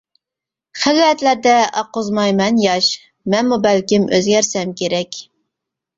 خىلۋەتلەردە ئاققۇزمايمەن ياش، مەنمۇ بەلكىم ئۆزگەرسەم كېرەك.